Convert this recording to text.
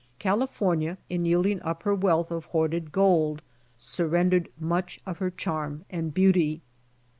California in yielding up her wealth of hoarded gold surrendered much of her charm and beauty.